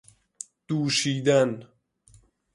دوشیدن